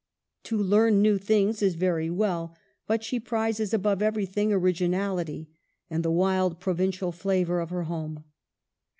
To learn new things is very well, but she prizes above everything origi nality and the wild provincial flavor of her home.